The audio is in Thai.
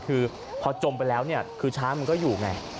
คือพอจมไปแล้วเนี่ยคือช้างมันก็อยู่ไง